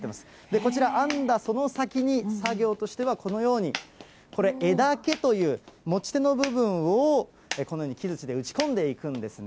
こちら、編んだその先に、作業としては、このようにこれ、柄竹という持ち手の部分を、このように木づちで打ち込んでいくんですね。